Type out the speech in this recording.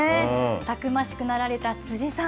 たくましくなられた辻さん。